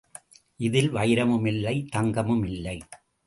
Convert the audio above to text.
இதில் வைரமும் இல்லை தங்கமும் இல்லை.